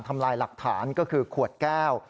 ทำลายหลักฐานก็คือขวดแก้ว